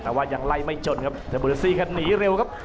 แต่ว่ายังไล่ไม่จนครับเทมโบเรซี่แค่หนีเร็วครับ